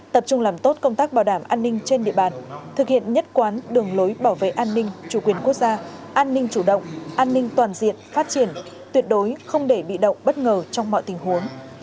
tập trung làm tốt công tác bảo đảm an ninh trên địa bàn thực hiện nhất quán đường lối bảo vệ an ninh chủ quyền quốc gia an ninh chủ động an ninh toàn diện phát triển tuyệt đối không để bị động bất ngờ trong mọi tình huống